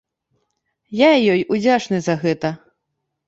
Я ёй удзячны за гэта.